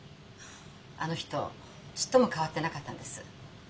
あの人ちっとも変わってなかったんです。